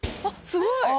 あっすごい！